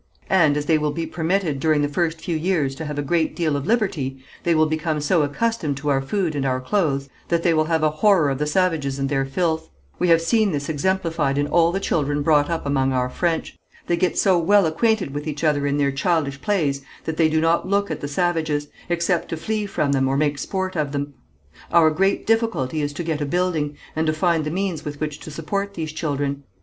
And, as they will be permitted during the first few years to have a great deal of liberty, they will become so accustomed to our food and our clothes that they will have a horror of the savages and their filth. We have seen this exemplified in all the children brought up among our French. They get so well acquainted with each other in their childish plays that they do not look at the savages, except to flee from them or make sport of them. Our great difficulty is to get a building, and to find the means with which to support these children.